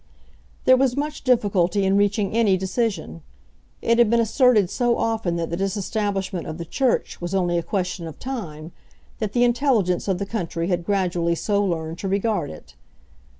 There was much difficulty in reaching any decision. It had been asserted so often that the disestablishment of the Church was only a question of time, that the intelligence of the country had gradually so learned to regard it.